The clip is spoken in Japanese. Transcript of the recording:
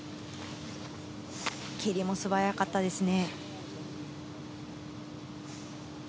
蹴りも素早かったですね。